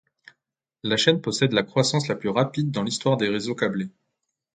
La chaîne possède la croissance la plus rapide dans l'histoire des réseaux câblés.